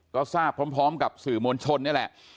ก็ทราบพร้อมกับสื่อมวลชนนี่แหละ